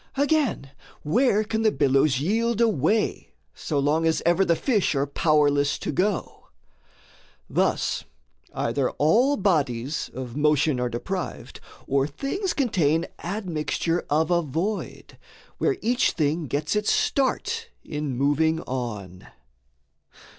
Again, Where can the billows yield a way, so long As ever the fish are powerless to go? Thus either all bodies of motion are deprived, Or things contain admixture of a void Where each thing gets its start in moving on.